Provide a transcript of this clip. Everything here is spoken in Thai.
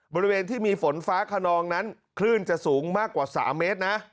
บริเวณที่มีฝนฟ้าขนองนั้นคลื่นจะสูงมากกว่า๓เมตรนะ